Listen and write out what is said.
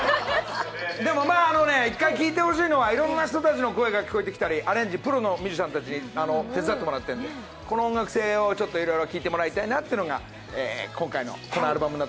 でもまあ、１回聞いてほしいのはいろんな人の声が聞こえてきたりアレンジ、プロのミュージシャンたちに手伝ってもらってるんでこの音楽性をいろいろ聴いてもらいたいなというのが今回のこのアルバムの。